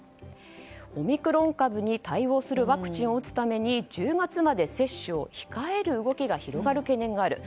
オミクロン株に対応するワクチンを打つために１０月まで接種を控える動きが広がる懸念がある。